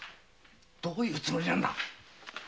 どういうつもりなんだ？